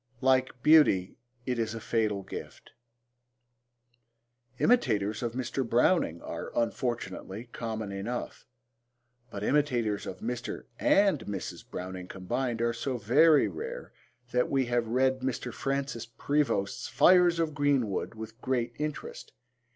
Like beauty, it is a fatal gift. Imitators of Mr. Browning are, unfortunately, common enough, but imitators of Mr. and Mrs. Browning combined are so very rare that we have read Mr. Francis Prevost's Fires of Green Wood with great interest.